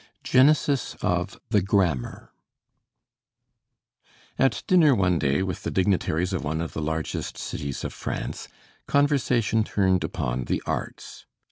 GENESIS OF THE 'GRAMMAR' At dinner one day with the dignitaries of one of the largest cities of France, conversation turned upon the arts.